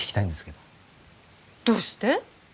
どうして？